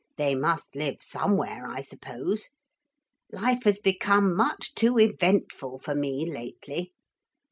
They must live somewhere, I suppose. Life has become much too eventful for me lately.